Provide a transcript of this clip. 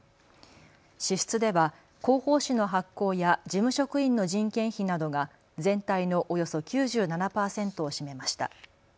支出では広報紙の発行や事務職員の人件費などが全体のおよそ９７％を占めました。